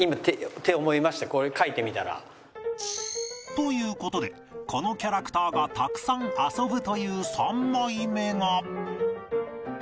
という事でこのキャラクターがたくさん遊ぶという３枚目が